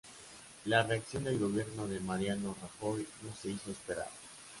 La reacción del gobierno de Mariano Rajoy no se hizo esperar.